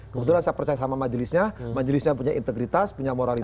kebetulan saya percaya sama majelisnya majelisnya punya integritas punya moralitas